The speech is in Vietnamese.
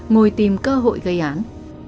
ngồi tìm cơ hội gây án